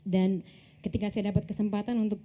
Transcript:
dan ketika saya dapat kesempatan untuk